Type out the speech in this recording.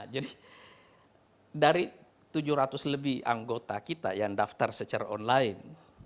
jadi dari tujuh ratus lebih anggota kita yang daftar secara online